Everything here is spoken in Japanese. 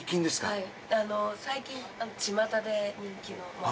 はい。